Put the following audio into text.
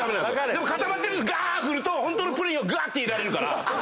でも固まってるの振るとホントのプリンをぐわって入れられるから。